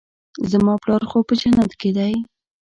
زما پلار خو په جنت کښې دى.